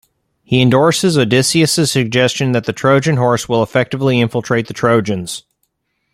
He endorses Odysseus' suggestion that the Trojan Horse will effectively infiltrate the Trojans.